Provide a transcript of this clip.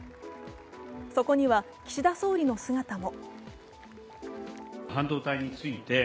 そこには岸田総理の姿も。